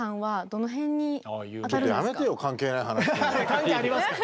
関係ありますから。